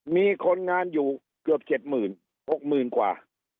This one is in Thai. มีคนงานอยู่เกือบ๗หมื่น๖หมื่นกว่า